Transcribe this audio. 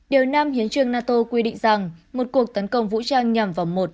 điều năm hiến trương nato quy định rằng một cuộc tấn công vũ trang nhằm vào một